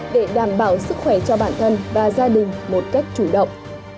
để đảm bảo sức khỏe cho bản thân và gia đình một cách chủ động